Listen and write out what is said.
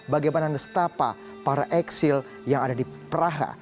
bagaimana nestapa para eksil yang ada di praha